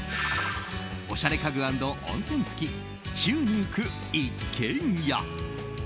おしゃれ家具＆温泉付き宙に浮く一軒家。